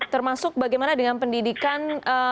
termasuk bagaimana dengan pendidikan